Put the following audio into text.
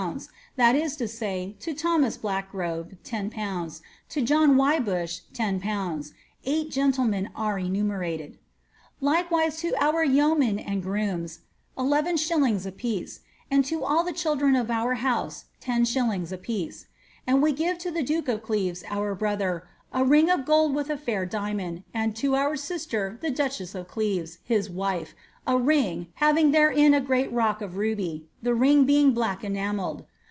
that if to say, to Thomas Blackgrove, 10/., to John Wymbushe, 10/L (eighi gemiUmien an enumerated) ; likewise to our yeomen and grooms, 1 If. a piece, and to aU the children of our house lOs a piece. And we give to the duke of Qevei, oar brother, a ring of gold with a fair diamond, and to our sister, the dneheas ti Cleves, his wife, a ring, having therein a great rock of ruby, the ring being black enamelled.